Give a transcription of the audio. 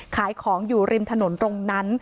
ขายของอยู่ริมถนนตรงนั้น